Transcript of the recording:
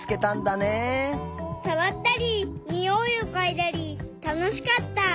さわったりにおいをかいだりたのしかった！